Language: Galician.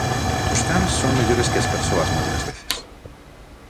Os cans son mellores que as persoas moitas veces.